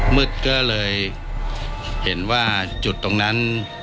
มืดก็เลยเห็นว่าจุดตรงนั้น